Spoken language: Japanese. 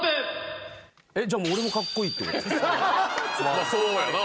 まぁそうやな。